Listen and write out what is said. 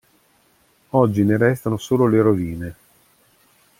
Oggi ne restano solo le rovine.